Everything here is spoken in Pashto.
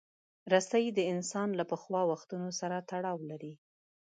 رسۍ د انسان له پخوا وختونو سره تړاو لري.